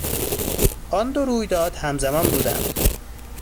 آن دو رویداد همزمان بودند.